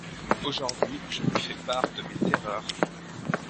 Aujourd’hui, je lui fais part de mes terreurs…